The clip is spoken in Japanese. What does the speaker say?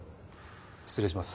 失礼します。